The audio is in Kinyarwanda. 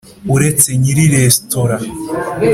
uretse nyiri resitora.